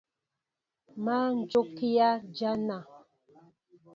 Má jókíá jăna.